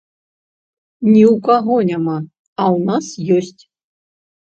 Ні ў каго няма, а ў нас ёсць.